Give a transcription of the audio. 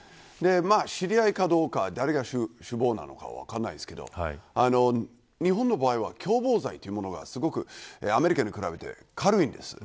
知り合いかどうか誰が首謀なのか分かりませんが日本の場合は共謀罪というものがアメリカに比べて軽いんです。